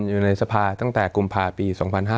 อยู่ในสภาษณ์ตั้งแต่กุมภาคมปี๒๕๖๔